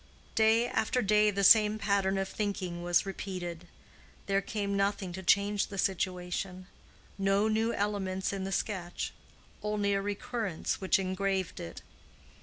Day after day the same pattern of thinking was repeated. There came nothing to change the situation—no new elements in the sketch—only a recurrence which engraved it.